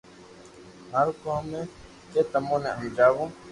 مارو ڪوم ھي ڪي تمو ني ھمجاو